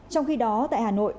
trong khi đó tại hà nội